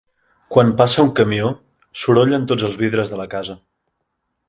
Quan passa un camió sorollen tots els vidres de la casa.